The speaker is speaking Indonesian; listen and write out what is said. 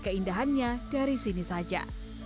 keindahannya dari sini saja